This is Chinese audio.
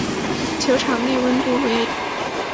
球场内温度为。